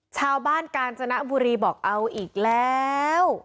ชาวบ้านกาญจนบุรีบอกเอาอีกแล้ว